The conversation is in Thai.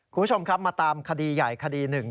คุณผู้ชมครับมาตามคดีใหญ่คดีหนึ่ง